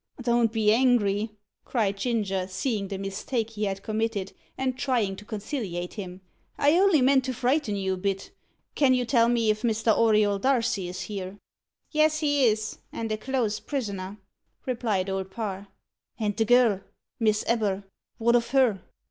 "Don't be angry," cried Ginger, seeing the mistake he had committed, and trying to conciliate him; "I only meant to frighten you a bit. Can you tell me if Mr. Auriol Darcy is here?" "Yes, he is, and a close prisoner," replied Old Parr. "And the girl Miss Ebber, wot of her?"